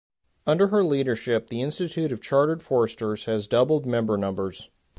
Under her leadership the Institute of Chartered Foresters has doubled member numbers.